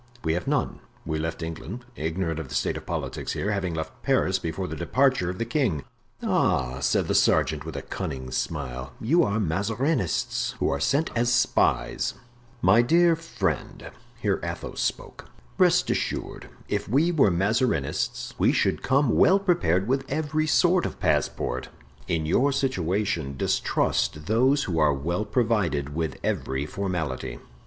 "We have none; we left England, ignorant of the state of politics here, having left Paris before the departure of the king." "Ah!" said the sergeant, with a cunning smile, "you are Mazarinists, who are sent as spies." "My dear friend," here Athos spoke, "rest assured, if we were Mazarinists we should come well prepared with every sort of passport. In your situation distrust those who are well provided with every formality."